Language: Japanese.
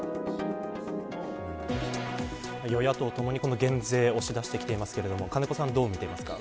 与野党ともに減税を押し出してきていますが金子さん、どう見ていますか。